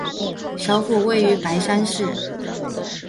首府位于白山市。